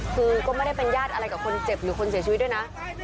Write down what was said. คือก็ไม่ได้เป็นญาติอะไรกับคนเจ็บหรือคนเสียชีวิตด้วยนะ